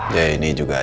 ya ini juga ada ada